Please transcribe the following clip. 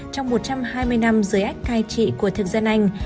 trong một trăm hai mươi năm dưới ách cai trị của thực dân anh